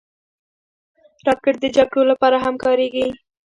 راکټ د جګړو لپاره هم کارېږي